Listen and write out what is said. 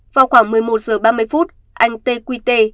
vào khoảng một mươi một h ba mươi phút anh t q t